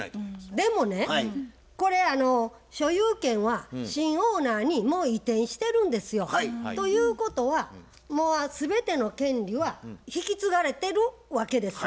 でもねこれ所有権は新オーナーにもう移転してるんですよ。ということはもう全ての権利は引き継がれてるわけですや。